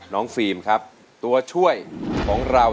ฟิล์มครับตัวช่วยของเรา